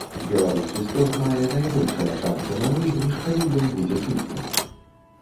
Беларускі спорт мае найбольшыя шанцы на выйгрыш, калі ён будзе чыстым.